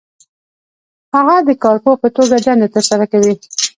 هغه د کارپوه په توګه دنده ترسره کوي.